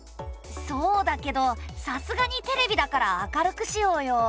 そうだけどさすがにテレビだから明るくしようよ。